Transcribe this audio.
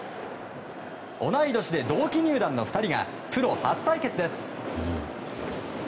同い年で同期入団の２人がプロ初対決です。